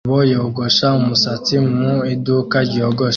Umugabo yogosha umusatsi mu iduka ryogosha